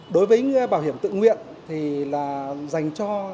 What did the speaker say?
đối với bảo hiểm tự nguyện